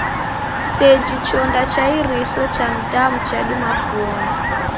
Seji chonda cha iriso ja mdamu chadima kuona.